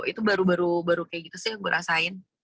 itu baru baru kayak gitu sih yang gue rasain